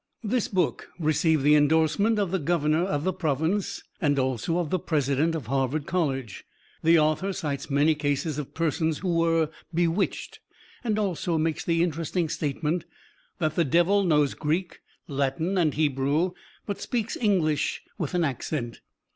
This book received the endorsement of the Governor of the Province and also of the President of Harvard College. The author cites many cases of persons who were bewitched; and also makes the interesting statement that the Devil knows Greek, Latin and Hebrew, but speaks English with an accent.